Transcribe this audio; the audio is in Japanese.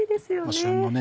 旬のね